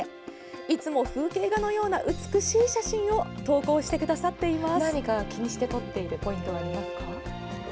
いつも風景画のような美しい写真を投稿してくださっています。